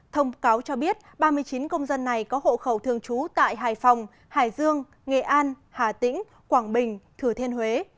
thông cáo cho biết ba mươi chín công dân này có hộ khẩu thường trú tại hải phòng hải dương nghệ an hà tĩnh quảng bình thừa thiên huế